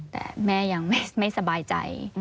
แต่แม่ยังไม่สบายใจ